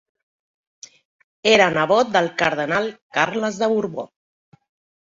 Era nebot del cardenal Carles de Borbó.